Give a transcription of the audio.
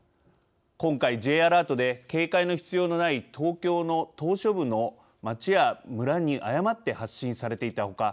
今回、Ｊアラートで警戒の必要のない東京の島しょ部の町や村に誤って発信されていた他